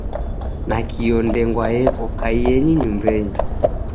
Nakio ndengwa yeko, kaiyenyi nyumbenyi